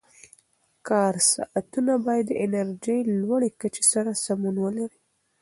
کار ساعتونه باید د انرژۍ لوړې کچې سره سمون ولري.